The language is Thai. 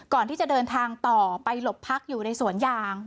ก่อนที่จะเดินทางต่อไปหลบพักอยู่ในสวนยาง